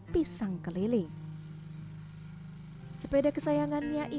bang satu hari